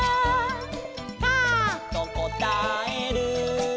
「カァとこたえる」